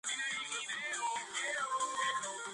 ფსიქოლოგია მიაჩნდა „მომავლის მეცნიერებად“.